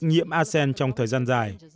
nhiễm arsen trong thị trường